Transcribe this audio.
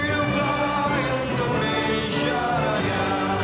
hiduplah indonesia raya